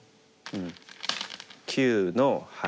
９の八。